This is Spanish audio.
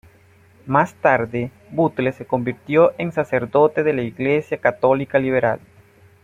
Más tarde, Butler se convirtió en sacerdote de la Iglesia Católica Liberal.